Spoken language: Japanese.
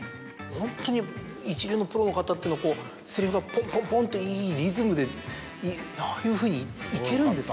ホントに一流のプロの方っていうのはこうセリフがポンポンポンっていいリズムでああいうふうにいけるんですね。